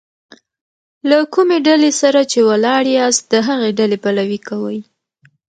له کومي ډلي سره چي ولاړ یاست؛ د هغي ډلي پلوي کوئ!